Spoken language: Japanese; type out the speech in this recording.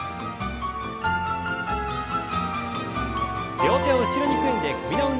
両手を後ろに組んで首の運動。